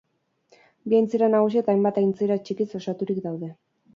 Bi aintzira nagusi eta hainbat aintzira txikiz osaturik daude.